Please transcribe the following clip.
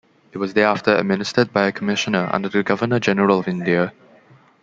It was thereafter administered by a commissioner under the Governor-General of India.